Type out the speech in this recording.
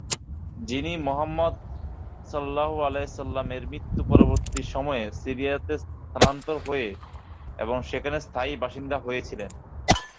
যিনি মুহাম্মাদ এর মৃত্যু পরবর্তী সময়ে সিরিয়াতে স্থানান্তর হয়ে এবং সেখানে স্থায়ী বাসিন্দা হয়েছিলেন।